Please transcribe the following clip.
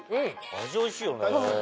味おいしいよね。